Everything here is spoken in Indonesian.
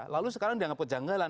lalu sekarang dianggap kejanggalan